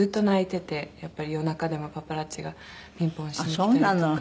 やっぱり夜中でもパパラッチがピンポンしに来たりとか。